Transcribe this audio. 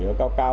nó cao cao